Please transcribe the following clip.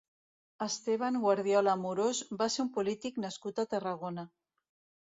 Esteban Guardiola Amorós va ser un polític nascut a Tarragona.